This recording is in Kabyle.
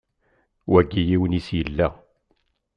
Wagi yiwen-is yella.